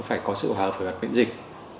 phải có sự hợp với vật viện dịch